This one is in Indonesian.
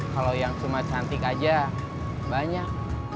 kalau yang cuma cantik aja banyak